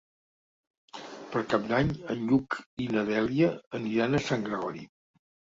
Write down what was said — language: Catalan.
Per Cap d'Any en Lluc i na Dèlia aniran a Sant Gregori.